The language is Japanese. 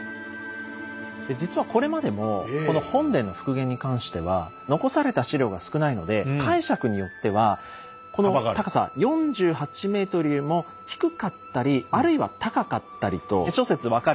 実はこれまでもこの本殿の復元に関しては残された史料が少ないので解釈によってはこの高さ４８ｍよりも低かったりあるいは高かったりと諸説分かれているんですよね。